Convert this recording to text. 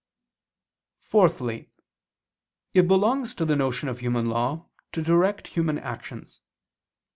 Fourthly, it belongs to the notion of human law to direct human actions.